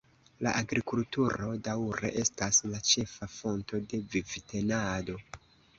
La agrikulturo daŭre estas la ĉefa fonto de vivtenado.